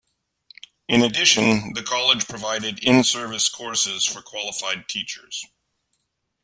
In addition the college provided in-service courses for qualified teachers.